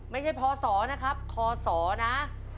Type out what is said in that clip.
ไม่ใช่พศนะครับคศนะ